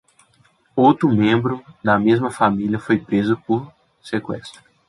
Outro membro da mesma família foi preso por seqüestro.